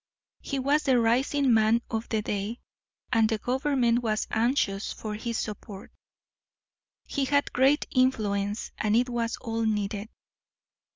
He was the rising man of the day, and the government was anxious for his support. He had great influence, and it was all needed.